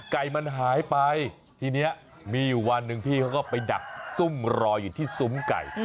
ไก่มันหายไปทีนี้มีอยู่วันหนึ่งพี่เขาก็ไปดักซุ่มรออยู่ที่ซุ้มไก่